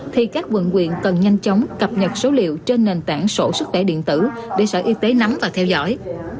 thì các quận quyện cần nhanh chóng cập nhật số liệu trên nền tảng sổ sức khỏe điện tử để sở y tế nắm và theo dõi